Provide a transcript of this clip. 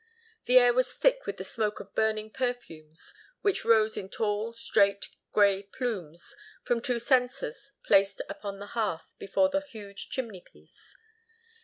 The air was thick with the smoke of burning perfumes, which rose in tall, straight, grey plumes, from two censers placed upon the hearth before the huge chimney piece.